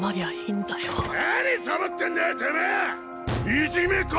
いじめか？